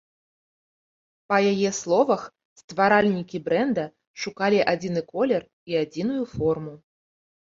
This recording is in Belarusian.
Па яе словах, стваральнікі брэнда шукалі адзіны колер і адзіную форму.